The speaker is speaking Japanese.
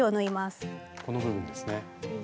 この部分ですね。